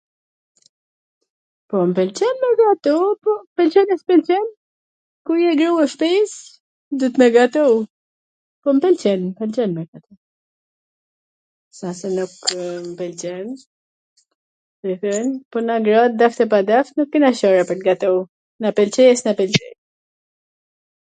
Po, m pwlqen me gatu, po m pwlqen s mw pwlqen, kur je gru e shpis duhet me gatu, po m pwlqen, m pwlqen me gatu, s a se nukw m pwlqen, m pwlqen, po na grat dasht e pa dasht nuk kena ... pwr t gatu, na pwlqe s na pwlqe...